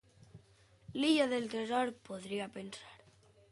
L'illa del tresor, podria pensar.